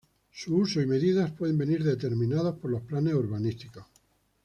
Su uso y medidas pueden venir determinados por los planes urbanísticos.